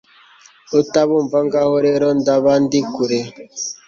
utabumva ngaho rero ndaba ndi kuri